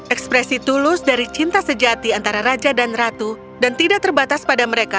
ekspresi tulus dari cinta sejati antara raja dan ratu dan tidak terbatas pada mereka